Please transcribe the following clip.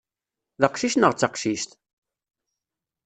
D aqcic neɣ d taqcict?